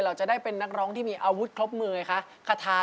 เราจะได้เป็นนักร้องที่มีอาวุธครบมือไงคะ